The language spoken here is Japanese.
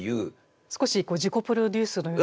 少し自己プロデュースのようなものも。